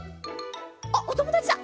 あっおともだちだ！